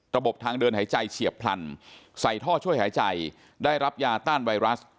ทางเดินหายใจเฉียบพลันใส่ท่อช่วยหายใจได้รับยาต้านไวรัส